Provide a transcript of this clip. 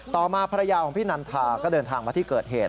ต่อมาภรรยาของพี่นันทาก็เดินทางมาที่เกิดเหตุ